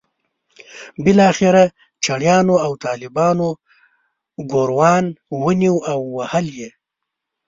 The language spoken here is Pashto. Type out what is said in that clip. بالاخره چړیانو او طالبانو ګوروان ونیو او وهل یې.